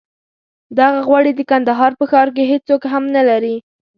دغه غوړي د کندهار په ښار کې هېڅوک هم نه لري.